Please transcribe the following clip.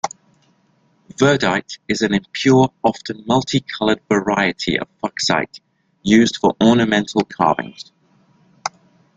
Verdite is an impure often multicolored variety of fuchsite used for ornamental carvings.